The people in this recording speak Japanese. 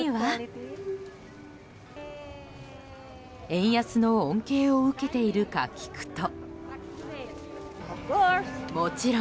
円安の恩恵を受けているか聞くと。